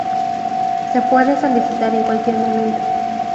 Se puede solicitar en cualquier momento.